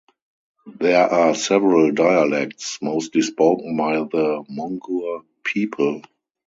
There are several dialects, mostly spoken by the Monguor people.